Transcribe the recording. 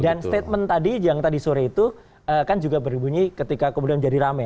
dan statement tadi yang tadi sore itu kan juga berbunyi ketika kemudian jadi rame